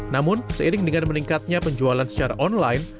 namun seiring dengan meningkatnya penjualan secara online